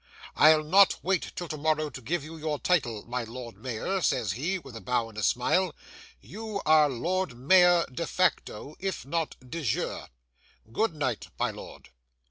'I'll not wait till to morrow to give you your title, my Lord Mayor,' says he, with a bow and a smile; 'you are Lord Mayor de facto, if not de jure. Good night, my lord.